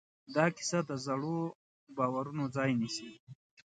دا کیسه د زړو باورونو ځای نيسي.